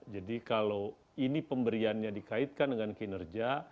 jadi kalau ini pemberiannya dikaitkan dengan kinerja